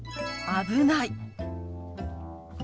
危ない。